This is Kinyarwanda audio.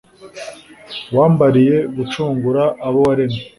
wambariye gucungura abo waremye